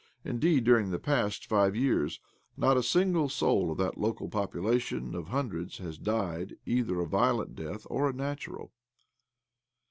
Indeed, during the past five years ^ot a single soul of that local population of hundreds has died either a violent death or a natural.